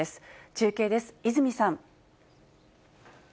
中継です、泉さん。